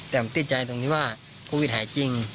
แต่มันติดใจตรงที่ว่าโควิดหายจริง